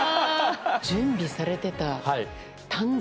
準備されてた短冊。